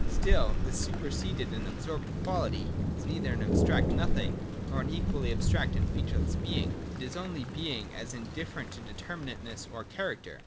Still this superseded and absorbed quality is neither an ab stract nothing, nor an equally abstract and featureless being: it is only being as indifferent to determinateness or character.